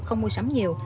không mua sắm nhiều